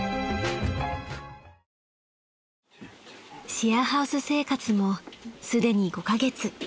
［シェアハウス生活もすでに５カ月］